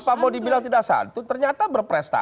pak mau dibilang tidak santun ternyata berprestasi